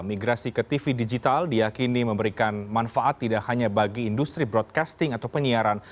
migrasi ke tv digital diakini memberikan manfaat tidak hanya bagi industri broadcasting atau penyiaran